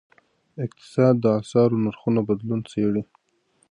اقتصاد د اسعارو نرخونو بدلون څیړي.